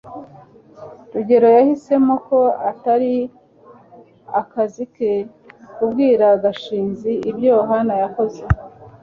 rugeyo yahisemo ko atari akazi ke kubwira gashinzi ibyo yohana yakoze